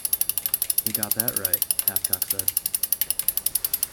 "He got that right," Hathcock said.